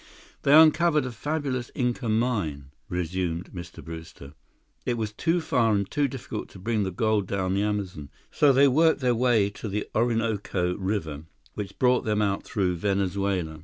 "They uncovered a fabulous Inca mine," resumed Mr. Brewster. "It was too far and too difficult to bring the gold down the Amazon. So they worked their way to the Orinoco River, which brought them out through Venezuela.